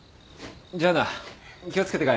じゃあな気を付けて帰れよ。